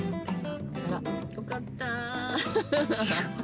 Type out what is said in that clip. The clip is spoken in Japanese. あら、よかったー。